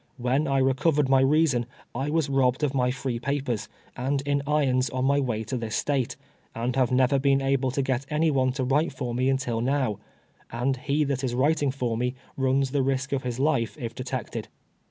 When I recovei* ed my reason, I was robbed of my free papers, and in irons on my way to this State, and have never l)een able to get any one to wTite for me imtil now ; and he that is WTiting for me runs the risk of his life if detected."